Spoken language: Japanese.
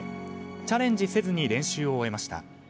チャレンジせずに練習を終えました。